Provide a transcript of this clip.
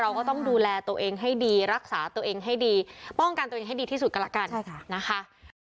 ก็ต้องดูแลตัวเองให้ดีรักษาตัวเองให้ดีป้องกันตัวเองให้ดีที่สุดก็แล้วกันนะคะ